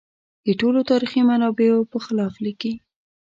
د ټولو تاریخي منابعو په خلاف لیکي.